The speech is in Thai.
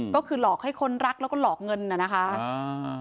ก็คือหลอกให้คนรักแล้วก็หลอกเงินน่ะนะคะอ่า